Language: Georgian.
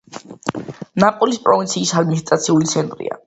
ნამპულის პროვინციის ადმინისტრაციული ცენტრია.